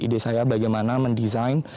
ide saya bagaimana mendesain